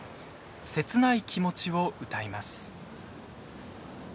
切ない気持ちを歌います。